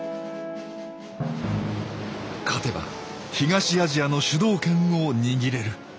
勝てば東アジアの主導権を握れる。